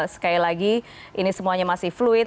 sekali lagi ini semuanya masih fluid